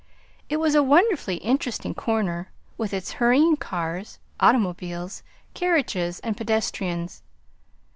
It was a wonderfully interesting corner, with its hurrying cars, automobiles, carriages and pedestrians.